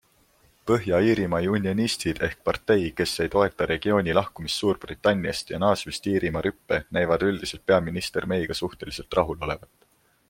Põhja-Iirimaa unionistid ehk partei, kes ei toeta regiooni lahkumist Suurbritanniast ja naasmist Iirimaa rüppe, näivad üldiselt peaminister Mayga suhteliselt rahul olevat.